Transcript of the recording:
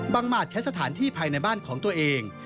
หมาดใช้สถานที่ภายในบ้านของตัวเอง